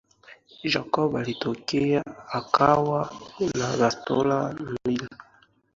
Jacob alitokea akiwa na bastola mbli